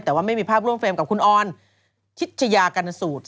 แต่ว่าไม่มีภาพร่วมเฟรมกับคุณออนชิชยากรณสูตร